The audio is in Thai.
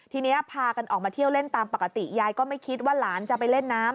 ทีนี้พากันออกมาเที่ยวเล่นตามปกติยายก็ไม่คิดว่าหลานจะไปเล่นน้ำ